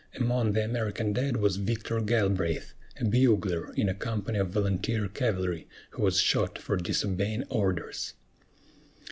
Among the American dead was Victor Galbraith, a bugler in a company of volunteer cavalry, who was shot for disobeying orders.